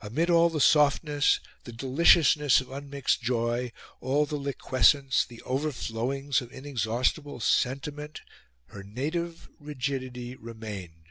Amid all the softness, the deliciousness of unmixed joy, all the liquescence, the overflowings of inexhaustible sentiment, her native rigidity remained.